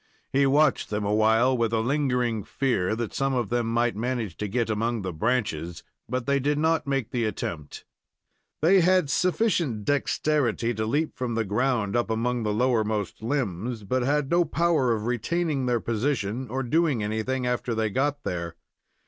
He watched them awhile with a lingering fear that some of them might manage to get among the branches, but they did not make the attempt. They had sufficient dexterity to leap from the ground up among the lowermost limbs, but had no power of retaining their position, or doing anything after they got there.